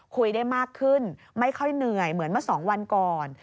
คุยได้มากขึ้นไม่ค่อยเหนื่อยเหมือนเมื่อ๒วันก่อน